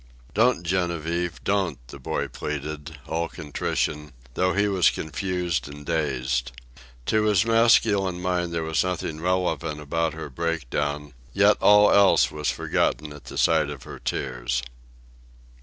"Don't, Genevieve, don't," the boy pleaded, all contrition, though he was confused and dazed. To his masculine mind there was nothing relevant about her break down; yet all else was forgotten at sight of her tears.